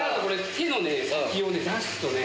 手の先を出すとね